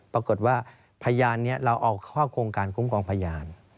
ปรากฏว่าพยานนี้เราเอาเข้าโครงการคุ้มครองพยาน